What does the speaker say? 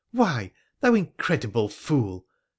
Why, thou incredible fool